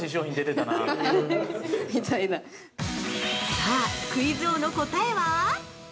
◆さぁ、クイズ王の答えは？